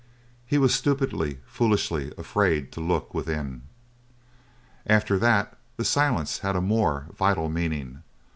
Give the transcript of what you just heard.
He was stupidly, foolishly afraid to look within. After that the silence had a more vital meaning.